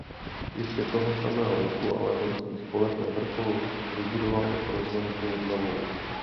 Ještě toho samého roku ale Horský spolek na vrcholu vybudoval rozhlednu novou.